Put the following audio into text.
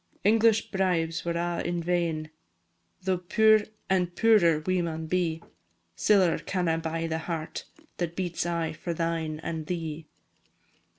English bribes were a' in vain, Tho' puir, and puirer, we maun be; Siller canna buy the heart That beats aye for thine and thee.